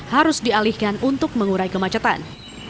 harus dialihkan untuk mengurai kemacetan